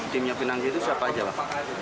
timnya pinangki itu siapa aja pak